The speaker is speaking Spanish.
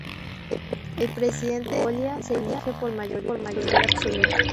El Presidente de Mongolia se elige por mayoría absoluta.